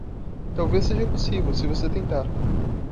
Talvez seja possível, se você tentar